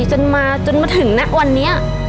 จนมาจนมาถึงณวันนี้